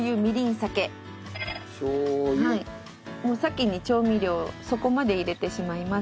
先に調味料そこまで入れてしまいます。